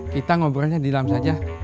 kita ngobrolnya di dalam saja